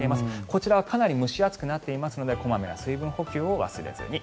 こちらはかなり蒸し暑くなっていますので小まめな水分補給を忘れずに。